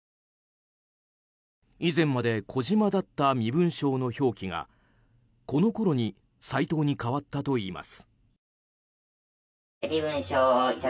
以前まで小島だった身分証の表記がこのころに齋藤に変わったといいます。